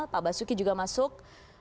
pak basuki juga masuk